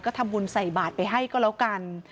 ก็ทำบุญใส่บาทไปให้ก็แล้วกัน